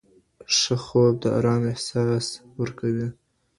ښه خوب د ارام احساس ورکوي.